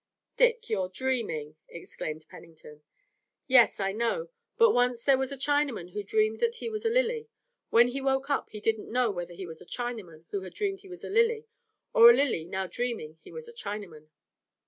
"Dick, you're dreaming," exclaimed Pennington. "Yes, I know, but once there was a Chinaman who dreamed that he was a lily. When he woke up he didn't know whether he was a Chinaman who had dreamed he was a lily or a lily now dreaming he was a Chinaman."